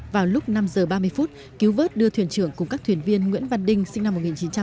vào lúc năm giờ ba mươi phút cứu vớt đưa thuyền trưởng cùng các thuyền viên nguyễn văn đinh sinh năm một nghìn chín trăm tám mươi